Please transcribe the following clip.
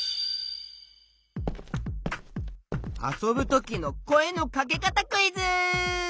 あそぶときのこえのかけかたクイズ！